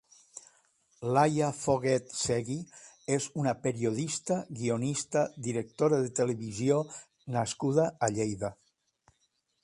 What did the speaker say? Laia Foguet Segui és una periodista, guionista, directora de televisió nascuda a Lleida.